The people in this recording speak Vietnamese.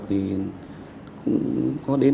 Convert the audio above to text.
chị hạnh có hẹn